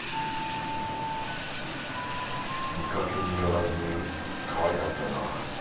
見かけによらずかわいかったな。